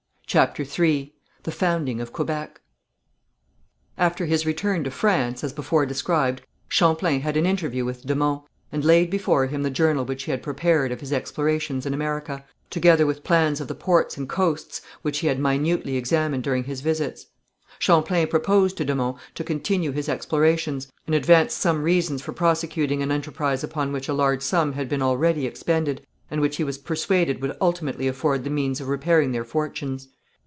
CHAPTER III THE FOUNDING OF QUEBEC After his return to France, as before described, Champlain had an interview with de Monts, and laid before him the journal which he had prepared of his explorations in America, together with plans of the ports and coasts which he had minutely examined during his visits. Champlain proposed to de Monts to continue his explorations, and advanced some reasons for prosecuting an enterprise upon which a large sum had been already expended, and which he was persuaded would ultimately afford the means of repairing their fortunes.